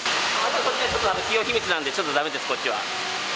企業秘密なんでちょっとだめです、こっちは。